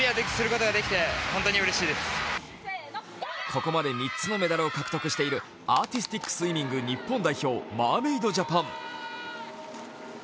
ここまで３つのメダルを獲得しているアーティスティックスイミング日本代表マーメイドジャパン。